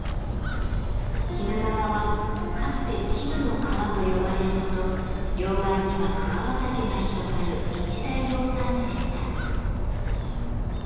鬼怒川はかつて絹の川と呼ばれるほど両岸には桑畑が広がる一大養蚕地でした。